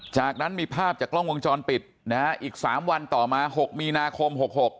จากนั้นมีภาพจากกล้องวงจรปิดนะฮะอีก๓วันต่อมา๖มีนาคม๖๖